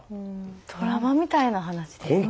ドラマみたいな話ですね。